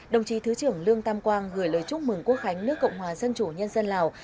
đồng chí thứ trưởng lương tam quang gửi lời chúc mừng quốc khánh nước cộng hòa dân chủ nhân dân lào